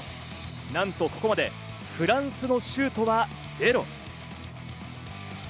なんとここまで、フランスのシュートはゼロ。